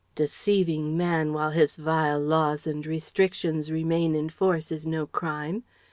Deceiving Man while his vile laws and restrictions remain in force is no crime.